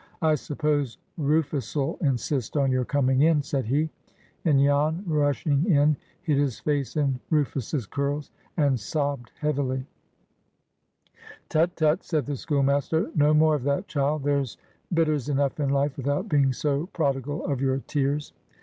"I suppose Rufus'll insist on your coming in," said he; and Jan rushing in hid his face in Rufus's curls, and sobbed heavily. "Tut, tut!" said the schoolmaster. "No more of that, child. There's bitters enough in life, without being so prodigal of your tears."